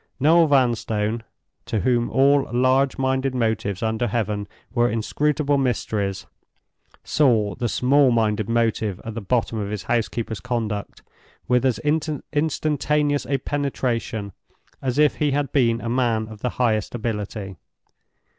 Noel Vanstone, to whom all large minded motives under heaven were inscrutable mysteries, saw the small minded motive at the bottom of his housekeeper's conduct with as instantaneous a penetration as if he had been a man of the highest ability.